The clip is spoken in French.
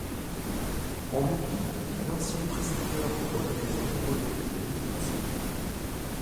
On eût dit un ancien précepteur de bonne maison revenu de l'émigration.